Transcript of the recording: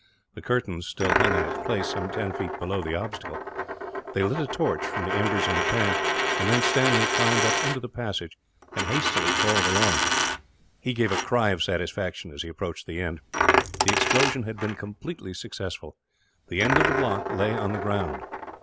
The curtain still hung in its place, some ten feet below the obstacle. They lit a torch, from the embers in the pan; and then Stanley climbed up into the passage, and hastily crawled along. He gave a cry of satisfaction, as he approached the end. The explosion had been completely successful the end of the block lay on the ground.